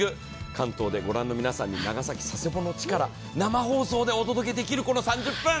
関東で御覧の皆さんに長崎・佐世保の地から生放送でお届けできるこの３０分。